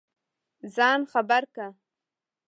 ځان خبر کړ.